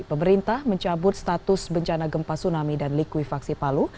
pemerintah mencabut status bencana gempa tsunami dan likuifaksi palu